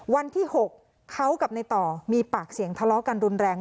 วันที่๖เขากับในต่อมีปากเสียงทะเลาะกันรุนแรง